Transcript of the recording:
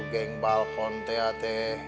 sama geng balkon teh